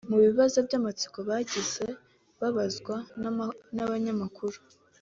Mu bibazo by’amatsiko bagiye babazwa n’abanyamakuru